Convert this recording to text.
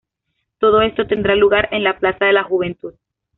Todo esto, tendrá lugar en la Plaza de la Juventud.